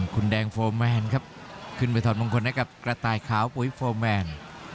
คุณแดงโฟร์แมนครับขึ้นไปถอดมงคลให้กับกระต่ายขาวปุ๋ยโฟร์แมน